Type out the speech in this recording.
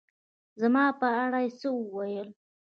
زما په اړه يې څه ووېل